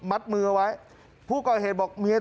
ทำไมคงคืนเขาว่าทำไมคงคืนเขาว่า